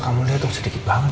kamu lihat itu sedikit banget